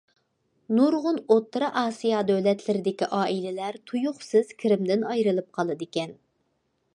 نۇرغۇن ئوتتۇرا ئاسىيا دۆلەتلىرىدىكى ئائىلىلەر تۇيۇقسىز كىرىمىدىن ئايرىلىپ قالىدىكەن.